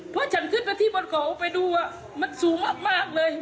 เพราะฉันขึ้นมาที่บนเขาไปดูมันสูงมากเลย